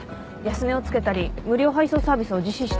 安値を付けたり無料配送サービスを実施したり。